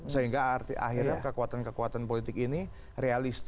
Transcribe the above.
sehingga akhirnya kekuatan kekuatan politik ini realistis